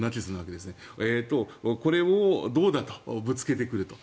これをどうだとぶつけてくると。